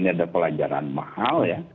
ini ada pelajaran mahal ya